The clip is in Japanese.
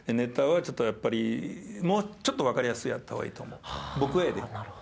ちょっとやっぱりもうちょっとわかりやすくやった方がいいと思う。